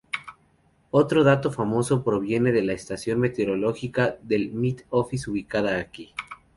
Otro dato famoso proviene de la estación meteorológica del Met Office ubicada aquí.